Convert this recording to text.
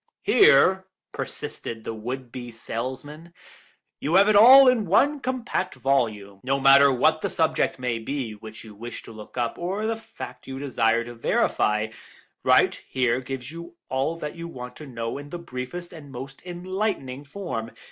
"Here," persisted the would be salesman, "you have it all in one compact volume. No matter what the subject may be which you wish to look up, or the fact you desire to verify, Right Here gives you all that you want to know in the briefest and most enlightening form.